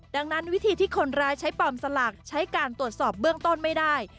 ดังนั้นวิธีที่คนร้ายใช้ปลอมสลักใช้การตรวจสอบเบื้องต้นไม่ได้